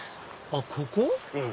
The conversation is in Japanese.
あっここ？